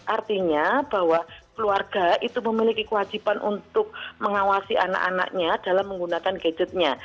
artinya bahwa keluarga itu memiliki kewajiban untuk mengawasi anak anaknya dalam menggunakan gadgetnya